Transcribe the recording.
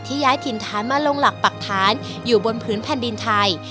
ย้ายถิ่นฐานมาลงหลักปรักฐานอยู่บนพื้นแผ่นดินไทย